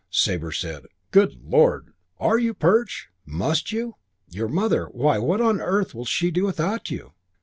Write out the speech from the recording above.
Sabre said, "Good Lord, are you, Perch? Must you? Your mother, why, what on earth will she do without you?